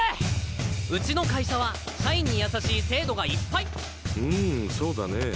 うちの会社は社員に優しい制度がいっぱいうんそうだね